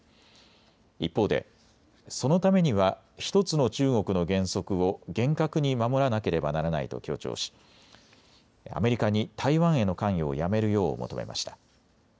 一方で、そのためには１つの中国の原則を厳格に守らなければならないと強調し、アメリカに台湾への関与をやめるよう求めました。